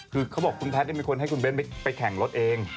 คือเขาบอกคุณแพทย์มีคนให้คุณเบ้นไปแข่งรถเอง